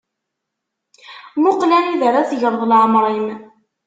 Muqel anida ara tegreḍ leεmeṛ-im.